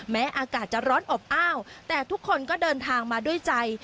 อากาศจะร้อนอบอ้าวแต่ทุกคนก็เดินทางมาด้วยใจ